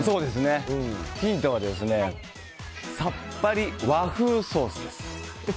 ヒントはさっぱり和風ソースです。